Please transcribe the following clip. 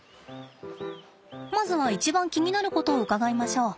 まずは一番気になることを伺いましょう。